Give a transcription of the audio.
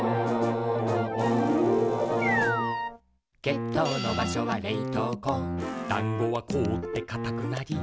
「けっとうのばしょはれいとうこ」「だんごはこおってかたくなり」